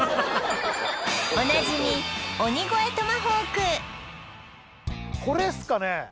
おなじみこれっすかね